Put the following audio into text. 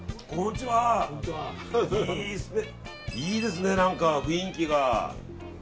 いいですね、雰囲気が。